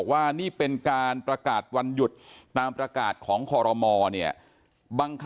วันที่๑๐วันที่๑๕เมษายน